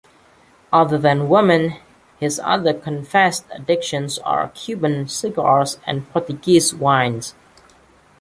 Other than women, his other confessed addictions are Cuban cigars and Portuguese wines.